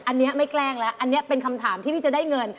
อันนี้ไม่แกล้งแล้วอันนี้เป็นคำถามที่พี่จะได้เงิน